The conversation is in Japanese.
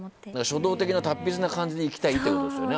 書道的な達筆な感じでいきたいということですよね。